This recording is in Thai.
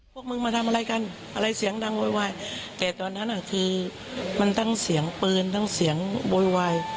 พวกมึงมาทำอะไรกันอะไรเสียงดังโวยวายแต่ตอนนั้นคือมันทั้งเสียงปืนทั้งเสียงโวยวาย